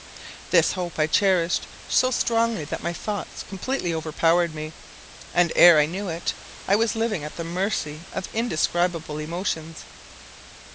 This hope I cherished so strongly that my thoughts completely overpowered me, and ere I knew it I was living at the mercy of indescribable emotions.